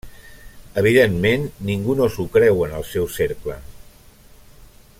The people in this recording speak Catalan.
Evidentment, ningú no s'ho creu en el seu cercle.